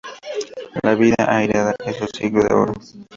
La vida airada en el siglo de Oro".